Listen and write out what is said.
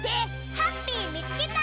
ハッピーみつけた！